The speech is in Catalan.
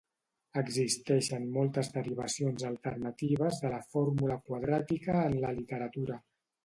Existeixen moltes derivacions alternatives de la fórmula quadràtica en la literatura.